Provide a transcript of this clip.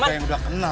boleh tidur anda